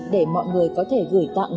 để mọi người có thể gửi tặng